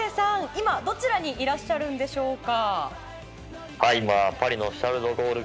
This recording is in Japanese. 今、どちらにいらっしゃるんでしょうか？